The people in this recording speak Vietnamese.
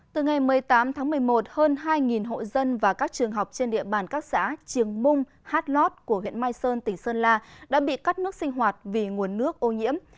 từ ngày một mươi tám tháng một mươi một hơn hai hộ dân và các trường học trên địa bàn các xã triềng mung hát lót của huyện mai sơn tỉnh sơn la đã bị cắt nước sinh hoạt vì nguồn nước ô nhiễm